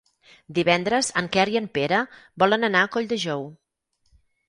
Divendres en Quer i en Pere volen anar a Colldejou.